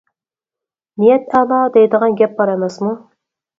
نىيەت ئەلا دەيدىغان گەپ بار ئەمەسمۇ.